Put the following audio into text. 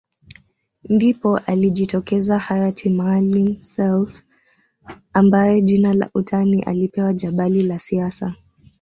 Ndipo alijitokeza Hayati Maalim Self ambaye jina la utani alipewa Jabali la siasa